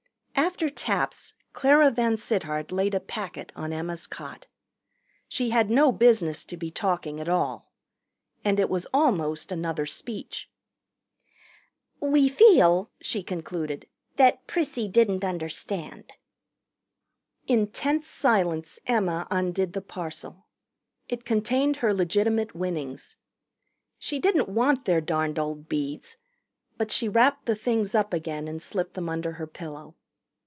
After taps Clara VanSittart laid a packet on Emma's cot. She had no business to be talking at all. And it was almost another speech. "We feel," she concluded, "that Prissy didn't understand." In tense silence Emma undid the parcel. It contained her legitimate winnings. She didn't want their darned old beads, but she wrapped the things up again and slipped them under her pillow.